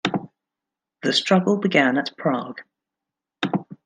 The struggle began at Prague.